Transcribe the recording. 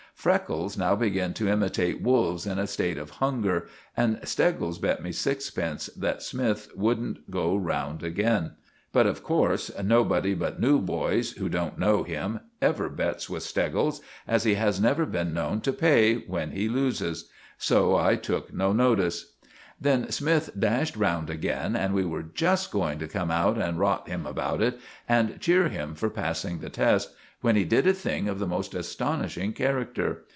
Freckles now began to imitate wolves in a state of hunger, and Steggles bet me sixpence that Smythe wouldn't go round again. But, of course, nobody but new boys, who don't know him, ever bets with Steggles, as he has never been known to pay when he loses. So I took no notice. Then Smythe dashed round again, and we were just going to come out and rot him about it, and cheer him for passing the test, when he did a thing of the most astonishing character.